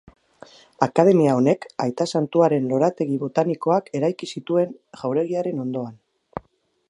Akademia honek Aita Santuaren lorategi botanikoak eraiki zituen jauregiaren ondoan.